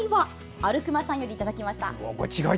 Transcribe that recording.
あるくまさんよりいただきました。